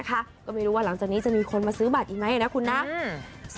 ไม่รู้ว่าหลังจากนี้จะมีคนที่ซื้อบัตรอีกมั้ย